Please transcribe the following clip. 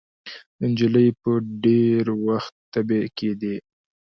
د نجلۍ به ډېر وخت تبې کېدې.